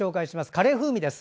カレー風味です。